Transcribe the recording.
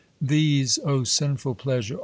These, O sinful pleasure !